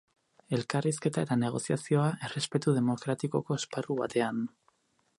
Elkarrizketa eta negoziazioa, errespetu demokratikoko esparru batean.